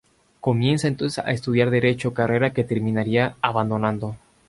Comienza entonces a estudiar Derecho, carrera que terminaría abandonando.